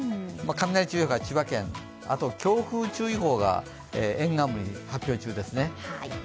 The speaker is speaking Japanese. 雷注意報が千葉県、あと強風注意報が沿岸部に発表中ですね。